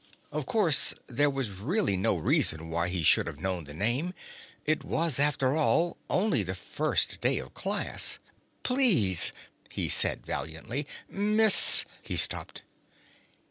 Of course, there was really no reason why he should have known the name. It was, after all, only the first day of class. "Please," he said valiantly. "Miss " He stopped.